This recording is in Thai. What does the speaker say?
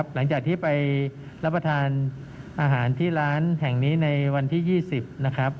หลังจากที่ไปรับประทานอาหารที่ร้านแห่งนี้ในวันที่๒๐นะครับ